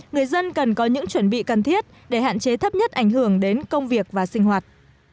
người dân cần có những chuẩn bị cần thiết để hạn chế thấp nhất ảnh hưởng đến công việc và sinh hoạt